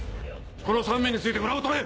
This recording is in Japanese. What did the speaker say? この３名について裏を取れ！